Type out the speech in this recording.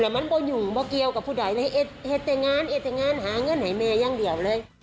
แล้วมันไม่อยู่ไม่เกี่ยวกับผู้ใดให้ให้แต่งานให้แต่งานหาเงินให้แม่ยังเดียวเลย